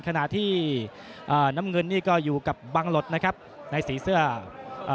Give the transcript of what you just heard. ขณะที่อ่าน้ำเงินนี่ก็อยู่กับบังหลดนะครับในสีเสื้อเอ่อ